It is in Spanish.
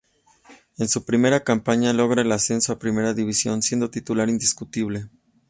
En su primera campaña logró el ascenso a Primera División, siendo titular indiscutible.